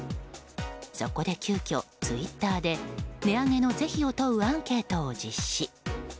そこで、急きょツイッターで値上げの是非を問うアンケートを実施。